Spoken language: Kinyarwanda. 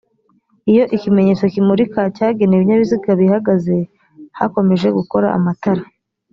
iyo ikimenyetso kimurika cyagenewe ibinyabiziga bihagaze hakomeje gukora amatara